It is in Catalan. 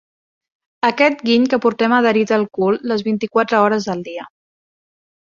Aquest giny que portem adherit al cul les vint-i-quatre hores del dia.